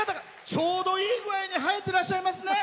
ちょうどいい具合に生えてらっしゃいますね。